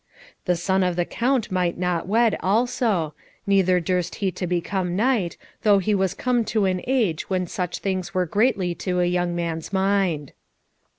The son of the Count might not wed also; neither durst he to become knight, though he was come to an age when such things are greatly to a young man's mind.